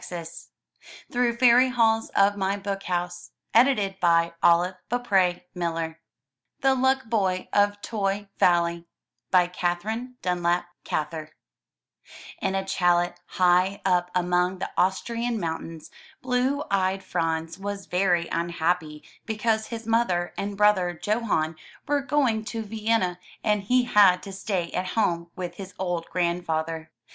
That's the way for Billy and me. 105 MY BOOK HOUSE THE LUCK BOY OF TOY VALLEY* Katherine Dunlap Gather In a chalet high up among the Austrian mountains, blue eyed Franz was very unhappy because his mother and brother Johan were going to Vienna and he had to stay at home with his old grandfather.